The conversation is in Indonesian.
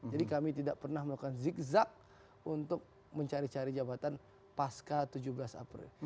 jadi kami tidak pernah melakukan zigzag untuk mencari cari jabatan pasca tujuh belas april